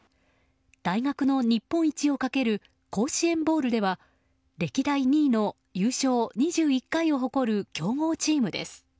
大学の日本一をかける甲子園ボウルでは歴代２位の優勝２１回を誇る強豪チームです。